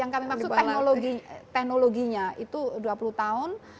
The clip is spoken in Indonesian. yang kami maksud teknologinya itu dua puluh tahun